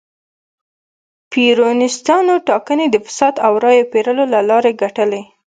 پېرونیستانو ټاکنې د فساد او رایو پېرلو له لارې ګټلې.